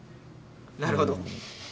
なるほど。